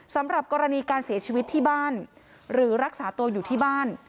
สำหรับกรณีการเสียชีวิตที่บ้านหรือรักษาตัวอยู่ที่บ้าน